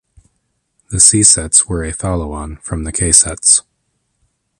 The C sets were a follow-on from the K sets.